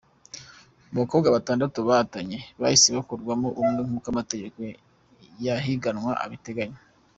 Mu bakobwa batandatu bahatanye, hahise hakurwamo umwe nk’uko amategeko y’ihiganwa abiteganya.